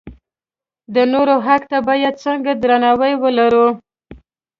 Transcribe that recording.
د نورو حق ته باید څنګه درناوی ولرو.